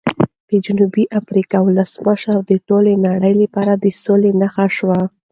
د جنوبي افریقا ولسمشر د ټولې نړۍ لپاره د سولې نښه شو.